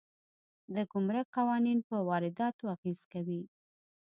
د ګمرک قوانین په وارداتو اغېز کوي.